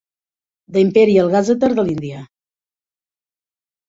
The Imperial Gazetteer de l'Índia.